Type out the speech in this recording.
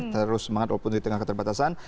harus semangat walaupun di tengah keterbatasan